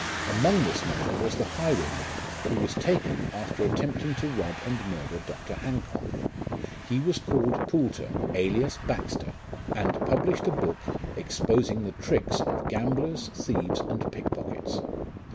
Among this number was the highwayman, who was taken after attempting to rob and murder Dr. Hancock. He was called Poulter, alias Baxter, and published a book, exposing the tricks of gamblers, thieves, and pickpockets.